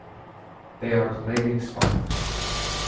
They are pelagic spawners.